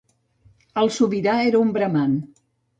El sobirà era un braman.